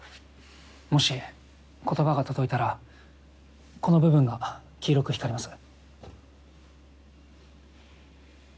もし言葉が届いたらこの部分が黄色く光ります。